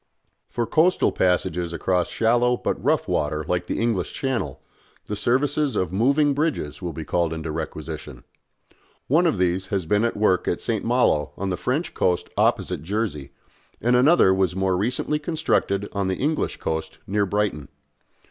For coastal passages across shallow but rough water like the English Channel, the services of moving bridges will be called into requisition. One of these has been at work at St. Malo on the French coast opposite Jersey, and another was more recently constructed on the English coast near Brighton.